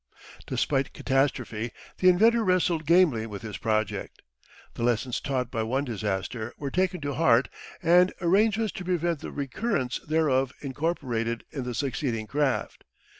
Despite catastrophe the inventor wrestled gamely with his project. The lessons taught by one disaster were taken to heart, and arrangements to prevent the recurrence thereof incorporated in the succeeding craft.